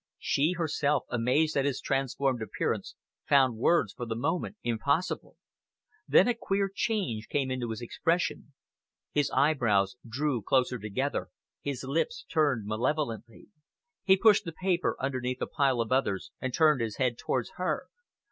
She herself, amazed at his transformed appearance, found words for the moment impossible. Then a queer change came into his expression. His eyebrows drew closer together, his lips turned malevolently. He pushed the paper underneath a pile of others and turned his head towards her.